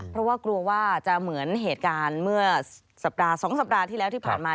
เพราะว่ากลัวว่าจะเหมือนเหตุการณ์เมื่อสัปดาห์๒สัปดาห์ที่แล้วที่ผ่านมา